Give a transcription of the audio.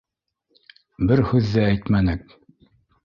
Бер һүҙ ҙә әйтмәнек.